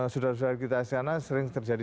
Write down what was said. saudara saudara kita asiana sering terjadi